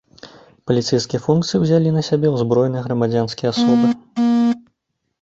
Паліцэйскія функцыі ўзялі на сябе ўзброеныя грамадзянскія асобы.